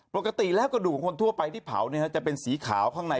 ปกติแล้วกระดูกของคนทั่วไปที่เผาจะเป็นสีขาวข้างใน